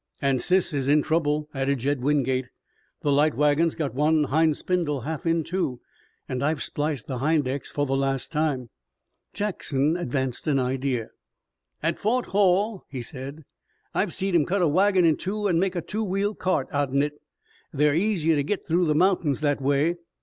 "And Sis is in trouble," added Jed Wingate. "The light wagon's got one hind spindle half in two, and I've spliced the hind ex for the last time." Jackson advanced an idea. "At Fort Hall," he said, "I've seed 'em cut a wagon in two an' make a two wheel cart out'n hit. They're easier to git through mountains that way."